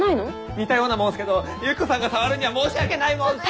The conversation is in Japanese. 似たようなもんっすけどユキコさんが触るには申し訳ないもんっす。